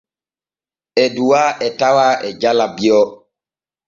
Eduwaa e tawaa e jala Bio.